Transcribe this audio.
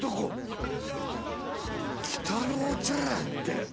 鬼太郎茶屋って。